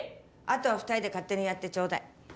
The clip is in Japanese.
あとは２人で勝手にやってちょうだい。